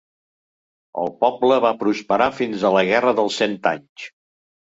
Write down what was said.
El poble va prosperar fins a la Guerra dels cent anys.